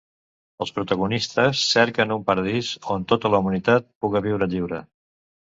Els protagonistes cerquen un paradís on tota la humanitat puga viure lliure.